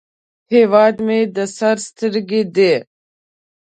هیواد مې د سر سترګې دي